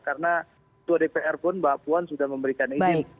karena dua dpr pun mbak puan sudah memberikan ini